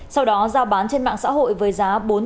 sau đó giao bán trên mạng xã hội với giá